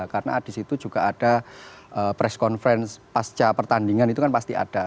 karena di situ juga ada press conference pasca pertandingan itu kan pasti ada